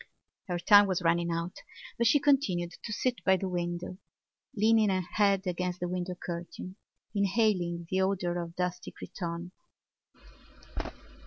Her time was running out but she continued to sit by the window, leaning her head against the window curtain, inhaling the odour of dusty cretonne.